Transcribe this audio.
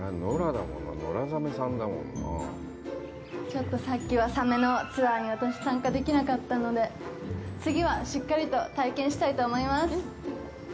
ちょっと、さっきはサメのツアーに私、参加できなかったので次はしっかりと体験したいと思います。